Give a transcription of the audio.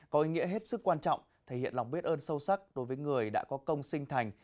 có ý nghĩa hết sức quan trọng thể hiện lòng biết ơn sâu sắc đối với người đã có công sinh thành